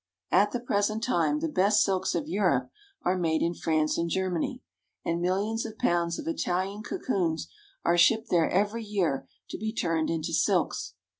At the present time the best silks of Europe are made in France and Germany, and millions of pounds of Italian cocoons are shipped there every year to be turned into silks.